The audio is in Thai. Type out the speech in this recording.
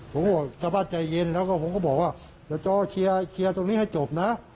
ผมสบายใจเย็นแล้วผมก็บอกว่าเดี๋ยวเจ้าเคลียร์ตรงนี้ให้จบนะ